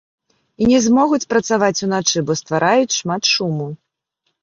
І не змогуць працаваць уначы, бо ствараюць шмат шуму!